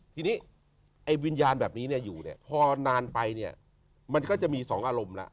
ทีนี้ไอ้วิญญาณแบบนี้เนี่ยอยู่เนี่ยพอนานไปเนี่ยมันก็จะมีสองอารมณ์แล้ว